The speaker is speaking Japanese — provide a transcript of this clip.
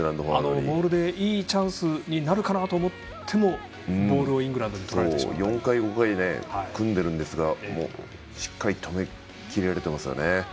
モールでいいチャンスになるかと思ってもボールをイングランドに４回、５回組んでるんですがしっかり止め切られていますよね。